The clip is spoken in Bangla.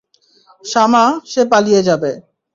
শামা, সে পালিয়ে যাবে।